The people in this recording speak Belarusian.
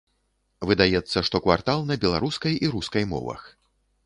Выдаецца штоквартал на беларускай і рускай мовах.